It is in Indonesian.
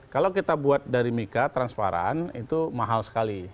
kalau kita buat dari mika transparan itu mahal sekali